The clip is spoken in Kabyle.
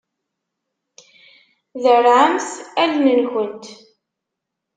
Derrɛemt allen-nkent.